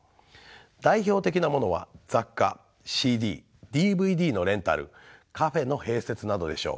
代表的なものは雑貨ＣＤＤＶＤのレンタルカフェの併設などでしょう。